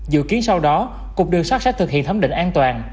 dự kiến sau đó cục đường sắt sẽ thực hiện thẩm định an toàn